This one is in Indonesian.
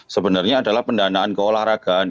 sebenarnya adalah pendanaan keolahragaan